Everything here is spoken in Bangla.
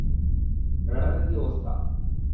রাডারের কী অবস্থা?